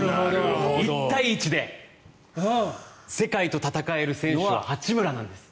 １対１で世界と戦える選手は八村なんです。